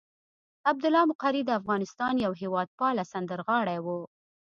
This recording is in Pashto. عبدالله مقری د افغانستان یو هېواد پاله سندرغاړی وو.